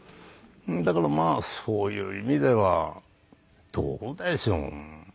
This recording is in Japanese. だからまあそういう意味ではどうでしょう？